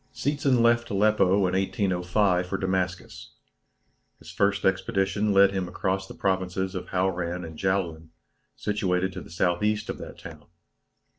Seetzen left Aleppo in 1805 for Damascus. His first expedition led him across the provinces of Hauran and Jaulan, situated to the S.E. of that town.